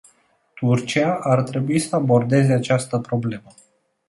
Turcia ar trebui să abordeze această problemă.